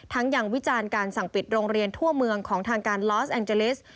ยังวิจารณ์การสั่งปิดโรงเรียนทั่วเมืองของทางการลอสแองเจลิส